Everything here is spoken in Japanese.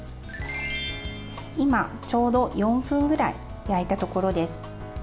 今、ちょうど４分ぐらい焼いたところです。